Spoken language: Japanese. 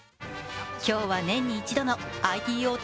今日は年に１度のＩＴ大手